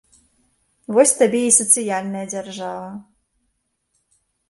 Вось табе і сацыяльная дзяржава!